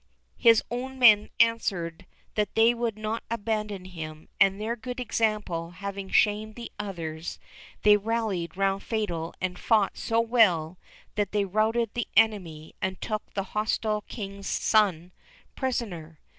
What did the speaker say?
His own men answered that they would not abandon him, and their good example having shamed the others, they rallied round Fatal and fought so well that they routed the enemy, and took the hostile King's son prisoner.